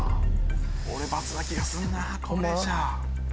俺「×」な気がすんな高齢者。